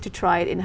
hồ chí minh